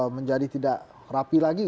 menjadi tidak rapi lagi